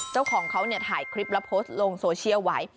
เจ้าของเขาถ่ายคลิปแล้วโพสต์ลงโซเชียลไว้